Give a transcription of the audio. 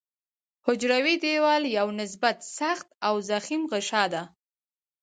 حجروي دیوال یو نسبت سخت او ضخیم غشا ده.